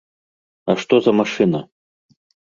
А што за машына?